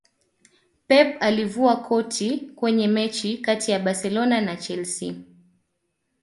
pep alivua koti Kwenye mechi kati ya barcelona na chelsea